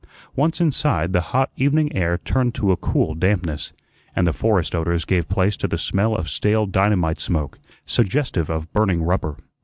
Once inside, the hot evening air turned to a cool dampness, and the forest odors gave place to the smell of stale dynamite smoke, suggestive of burning rubber.